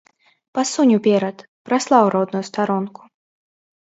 Пасунь уперад, праслаў родную старонку.